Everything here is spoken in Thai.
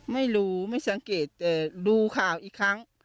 ไม่รู้ไม่สังเกตแต่ดูข่าวอีกครั้ง